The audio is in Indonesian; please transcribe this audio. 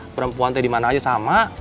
perempuannya dimana aja sama